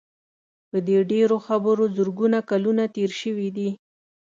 په دې ډېرو خبرو زرګونه کلونه تېر شوي دي.